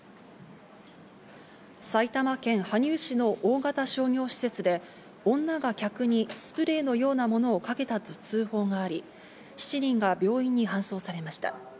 埼玉県羽生市の大型商業施設で女が客にスプレーのようなものをかけたと通報があり、７人が病院に搬送されました。